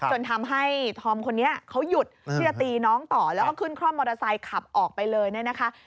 จนทำให้ธอมคนนี้เขาหยุดที่จะตีน้องต่อแล้วก็ขึ้นคร่อมมอเตอร์ไซค์ขับออกไปเลยเนี่ยนะคะ